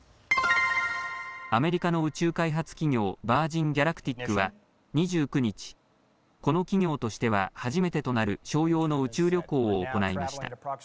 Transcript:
アメリカの宇宙開発企業、ヴァージン・ギャラクティックは２９日、この企業としては初めてとなる商用の宇宙旅行を行いました。